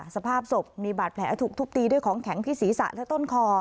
สภาพศพมีบาดแผลถูกทุบตีด้วยของแข็งที่ศีรษะและต้นคอ